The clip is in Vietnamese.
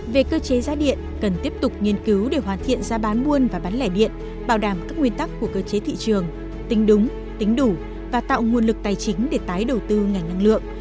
về cơ chế giá điện cần tiếp tục nghiên cứu để hoàn thiện giá bán buôn và bán lẻ điện bảo đảm các nguyên tắc của cơ chế thị trường tính đúng tính đủ và tạo nguồn lực tài chính để tái đầu tư ngành năng lượng